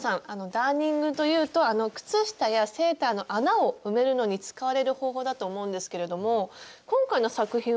ダーニングというと靴下やセーターの穴を埋めるのに使われる方法だと思うんですけれども今回の作品はちょっと違いますよね？